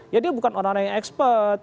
ya dia bukan orang orang yang expert